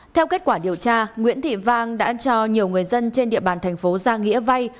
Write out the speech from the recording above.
theo kết quả điều tra nguyễn thị vang đã cho nhiều người dân trên địa bàn thành phố gia nghĩa vay